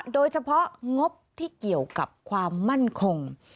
โดยเฉพาะงบที่เกี่ยวกับความมั่นคง